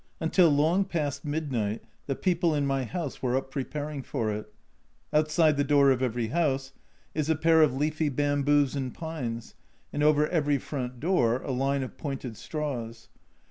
Until long past midnight the people in my house were up preparing for it. Outside the door of every house is a pair of leafy bamboos and pines, and over every front door a line of pointed straws.